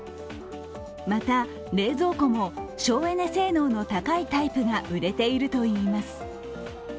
また冷蔵庫も省エネ性能の高いタイプが売れているといいます。